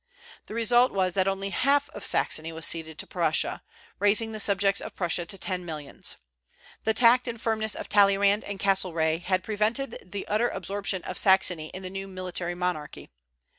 The result was that only half of Saxony was ceded to Prussia, raising the subjects of Prussia to ten millions. The tact and firmness of Talleyrand and Castlereagh had prevented the utter absorption of Saxony in the new military monarchy.